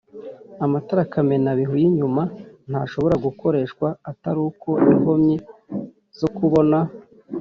Amatara kamenabihu y inyuma ntashobora gukoreshwa atari uko inkomyi zo kubona